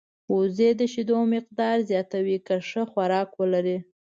وزې د شیدو مقدار زیاتوي که ښه خوراک ولري